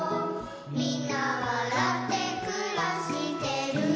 「みんなわらってくらしてる」